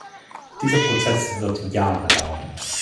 Dieser Prozess wird Jahre dauern.